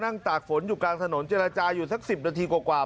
ตากฝนอยู่กลางถนนเจรจาอยู่สัก๑๐นาทีกว่า